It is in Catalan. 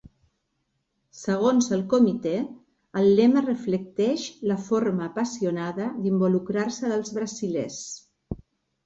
Segons el Comitè, el lema reflecteix la forma apassionada d'involucrar-se dels brasilers.